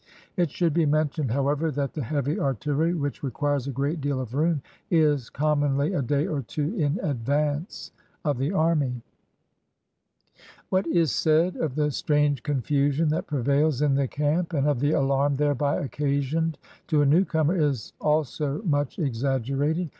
It should be mentioned, however, that the hea\y artillen. . which requires a great deal of room, is commonly a day or two in advance of the army. 136 ON THE MARCH WITH AURUNGZEBE What is said of the strange confusion that prevails in the camp, and of the alarm thereby occasioned to a newcomer, is also much exaggerated.